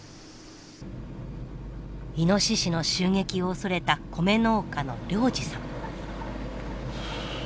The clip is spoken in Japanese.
イノシシの襲撃を恐れた米農家の良治さん。